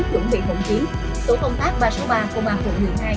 chuẩn bị phòng chiến tổ công tác ba trăm sáu mươi ba công an quận một mươi hai